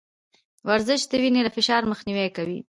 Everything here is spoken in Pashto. ورزش د وينې له فشار مخنيوی کوي.